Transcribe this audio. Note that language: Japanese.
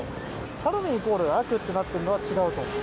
ハロウィーンイコール悪ってなってるのは違うと思う。